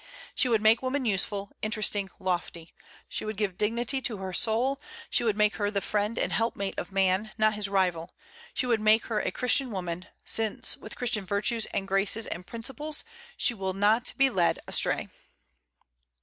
She would make woman useful, interesting, lofty; she would give dignity to her soul; she would make her the friend and helpmate of man, not his rival; she would make her a Christian woman, since, with Christian virtues and graces and principles, she will not be led astray.